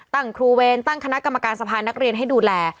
ครูเวรตั้งคณะกรรมการสภานักเรียนให้ดูแล